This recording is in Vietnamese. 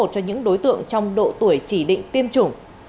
cho những đối tượng trong độ tuổi chỉ định tiêm chủng